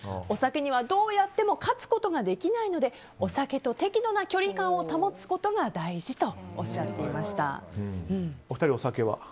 お酒にはどうやっても勝つことができないのでお酒と適度な距離感を保つことがお二人、お酒は？